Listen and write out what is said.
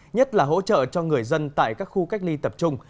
nhất là hỗ trợ cho người dân tại các khu cách ly tập trung